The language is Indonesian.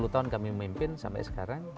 sepuluh tahun kami memimpin sampai sekarang